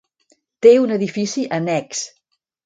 Té un edifici annex.